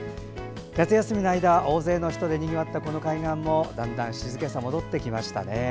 夏休みの間、大勢の人でにぎわったこの海岸もだんだん静けさが戻ってきましたね。